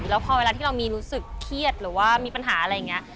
แล้วพอเวลาที่เรามีรู้สึกเครียดหรือว่ามีปัญหาอะไรอย่างนี้